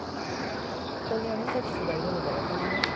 ここにアニサキスがいるのがわかりますか？